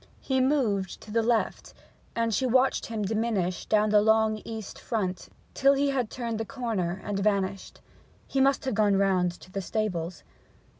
He moved to the left, and she watched him diminish down the long east front till he had turned the corner and vanished. He must have gone round to the stables.